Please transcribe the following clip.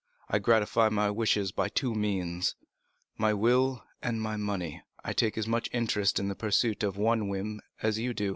I gratify my wishes by two means—my will and my money. I take as much interest in the pursuit of some whim as you do, M.